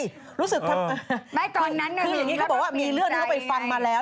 อย่างนี้เขาบอกว่ามีเรื่องที่เขาไปฟังมาแล้ว